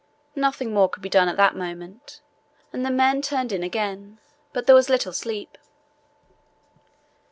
Nothing more could be done at that moment, and the men turned in again; but there was little sleep.